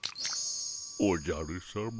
おじゃるさま。